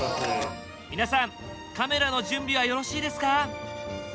皆さんカメラの準備はよろしいですか？